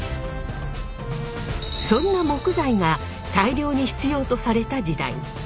そんな木材が大量に必要とされた時代。